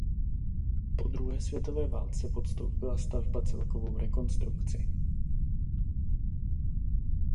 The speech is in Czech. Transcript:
Po druhé světové válce podstoupila stavba celkovou rekonstrukci.